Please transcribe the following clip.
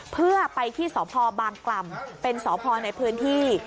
เพื่อไปที่สพบางกล่ำเป็นสพในพื้นที่